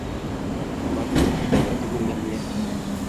Amagun kiit aketugul nemie